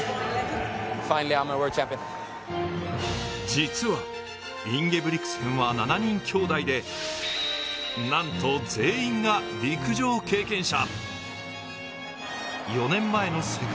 実はインゲブリクセンは７人兄弟でなんと全員が陸上経験者。